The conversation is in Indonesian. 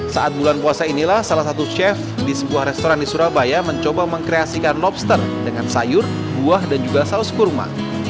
saat bulan puasa inilah salah satu chef di sebuah restoran di surabaya mencoba mengkreasikan lobster dengan sayur buah dan juga saus kurma